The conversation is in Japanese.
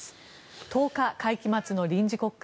１０日会期末の臨時国会。